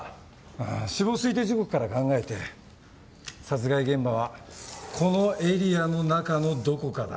うん死亡推定時刻から考えて殺害現場はこのエリアの中のどこかだ。